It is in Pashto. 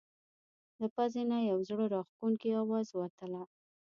له پزې نه یو زړه راښکونکی اواز وتله.